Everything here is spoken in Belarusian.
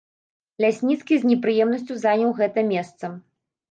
Лясніцкі з непрыемнасцю заняў гэта месца.